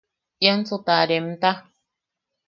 Iansu ta remta.